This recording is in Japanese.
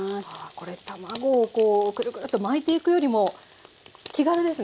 これ卵をこうクルクルッと巻いていくよりも気軽ですね